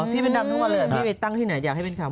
พี่เป็นดำทั้งวันเลยพี่ไปตั้งที่ไหนอยากให้เป็นคำ